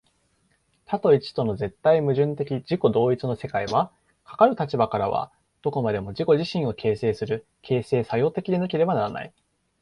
多と一との絶対矛盾的自己同一の世界は、かかる立場からはどこまでも自己自身を形成する、形成作用的でなければならない。